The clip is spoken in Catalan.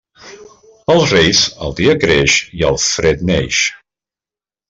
Pels Reis, el dia creix i el fred neix.